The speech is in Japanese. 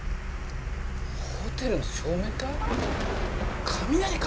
ホテルの照明か？